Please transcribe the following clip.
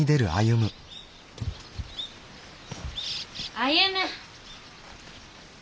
歩！